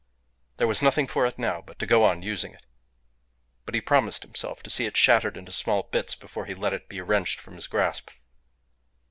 There was nothing for it now but to go on using it. But he promised himself to see it shattered into small bits before he let it be wrenched from his grasp.